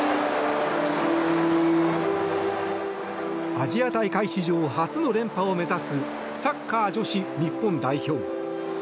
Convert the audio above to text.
アジア大会史上初の連覇を目指すサッカー女子日本代表。